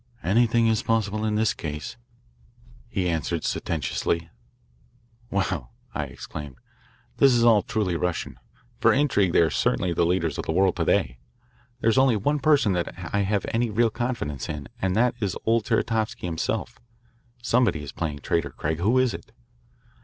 "Anything is possible in this case," he answered sententiously. "Well," I exclaimed, "this all is truly Russian. For intrigue they are certainly the leaders of the world to day. There is only one person that I have any real confidence in, and that is old Saratovsky himself. Somebody is playing traitor, Craig. Who is it?"